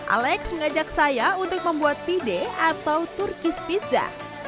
alex mengajak saya untuk membuat pide atau turkis pizza